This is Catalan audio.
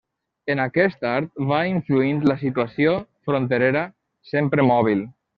En aquest art va influint la situació fronterera, sempre mòbil.